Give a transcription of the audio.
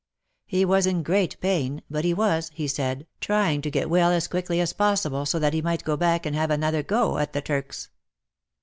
He was in great pain, but he was, he said, trying to get well as quickly as possible so that he might go back and have *' another go at the Turks."